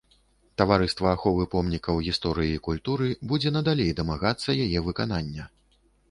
Таварыства аховы помнікаў гісторыі і культуры будзе надалей дамагацца яе выканання.